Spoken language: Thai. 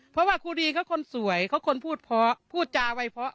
เพราะว่าครูดีเค้าคนสวยเค้าคนพูดพอพูดจาไว้พอ